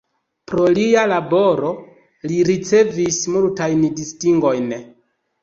Pro lia laboro li ricevis multajn distingojn.